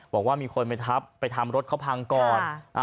บอกว่ามีคนไปทับไปทำรถเขาพังก่อน